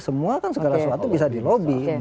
semua kan segala sesuatu bisa dilobi